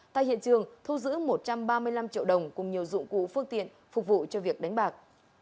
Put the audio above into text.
tại hiện trường thu giữ một trăm ba mươi năm triệu đồng cùng nhiều dụng cụ phương tiện phục vụ cho việc đánh bạc